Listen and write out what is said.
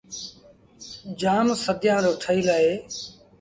جآم سديآن رو ٺهيٚل اهي۔